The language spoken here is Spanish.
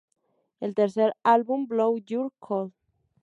El tercer álbum, "Blow Your Cool!